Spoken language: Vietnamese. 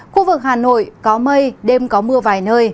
khu vực hà nội có mây đêm có mưa vài nơi